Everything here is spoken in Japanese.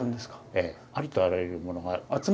ええありとあらゆるものが。